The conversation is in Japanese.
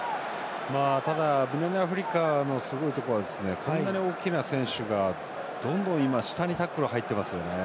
ただ、南アフリカのすごいところはこんなに大きな選手がどんどん下にタックル入っていますよね。